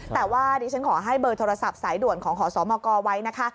แต่ว่าดิฉันขอให้เบอร์โทรศัพท์สายด่วนของขอสมกไว้นะคะ